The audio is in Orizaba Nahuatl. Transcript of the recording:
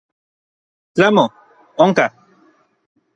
Tlamo, onka.